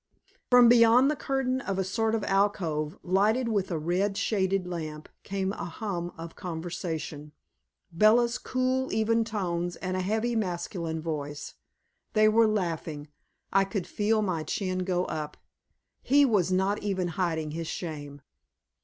From beyond the curtain of a sort of alcove, lighted with a red shaded lamp, came a hum of conversation, Bella's cool, even tones, and a heavy masculine voice. They were laughing; I could feel my chin go up. He was not even hiding his shame.